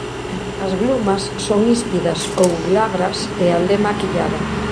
As glumas son híspidas ou glabras e a lema aquillada.